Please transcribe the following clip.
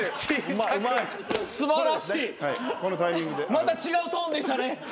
また違うトーンでしたね。